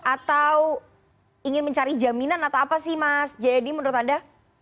atau ingin mencari jaminan atau apa sih mas jayadi menurut anda